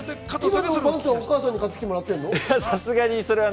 お母さんにまだ買ってきてもらってるの？